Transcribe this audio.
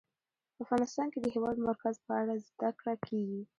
افغانستان کې د د هېواد مرکز په اړه زده کړه کېږي.